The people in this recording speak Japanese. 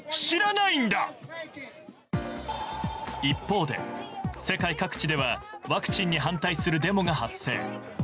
一方で、世界各地ではワクチンに反対するデモが発生。